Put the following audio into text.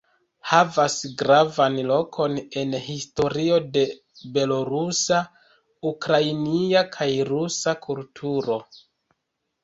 Havas gravan lokon en historio de belorusa, ukrainia kaj rusa kulturo.